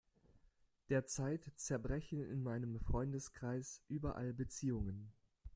Derzeit zerbrechen in meinem Freundeskreis überall Beziehungen.